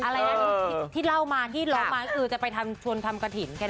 อะไรนะที่เล่ามาธี่ซ์เล่ามาจะไปทำชวนทำกะถิ่น